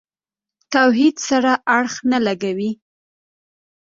توحید سره اړخ نه لګوي.